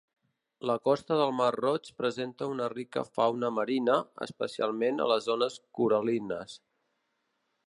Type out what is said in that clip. La costa del Mar Roig presenta una rica fauna marina, especialment a les zones coral·lines.